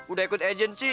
udah ikut agensi